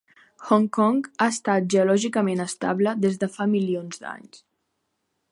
Hong Kong ha estat geològicament estable des de fa milions d'anys.